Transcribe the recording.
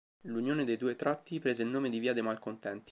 L'unione dei due tratti prese il nome di via de' Malcontenti.